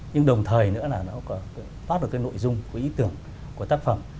nhưng đồng thời nữa là nó có phát được cái nội dung cái ý tưởng của tác phẩm